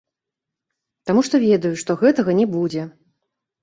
Таму што ведаю, што гэтага не будзе.